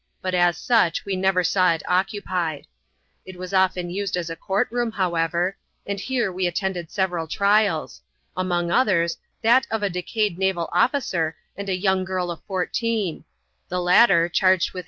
but as such we never saw it occupied. It was ofiben used as a <sourt room, however; and here we attended several trials; imiong others, that of a decayed naval officer, and a young girl of fourteen ; the latter, charged with